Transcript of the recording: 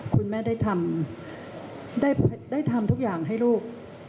คุณแม่ได้ทำทุกอย่างให้ลูก